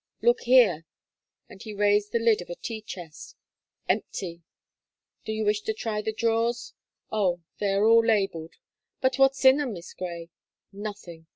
Look there!" and he raised the lid of a tea chest, "empty! Do you wish to try the drawers? Oh! they are all labelled, but what's in 'em. Miss Gray? nothing!